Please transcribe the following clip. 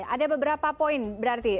ada beberapa poin berarti